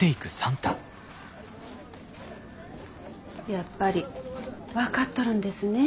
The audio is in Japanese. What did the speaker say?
やっぱり分かっとるんですねえ